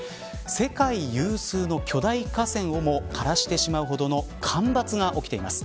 世界有数の巨大河川をも枯らせてしまうほどの干ばつが起きています。